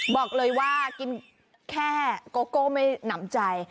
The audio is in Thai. บอกเลยว่ากินแค่โกโก้ไม่หนำใจ